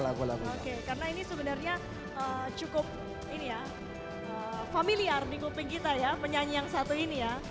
karena ini sebenarnya cukup familiar di kuping kita ya penyanyi yang satu ini ya